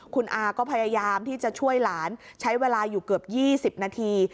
คุณอาก็พยายามที่จะช่วยหลานใช้เวลาอยู่เกือบ๒๐นาที